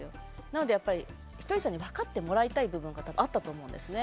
なのでやっぱり、ひとりさんに分かってもらいたい部分があったと思うんですね。